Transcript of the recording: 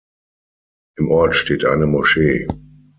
Im Ort steht eine Moschee.